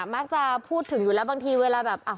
มักจะพูดถึงอยู่แล้วบางทีเวลาแบบ